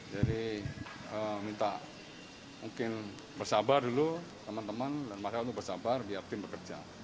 jadi minta mungkin bersabar dulu teman teman dan masyarakat untuk bersabar biar tim bekerja